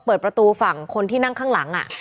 เปิดประตูฝั่งคนที่นั่งข้างหลัง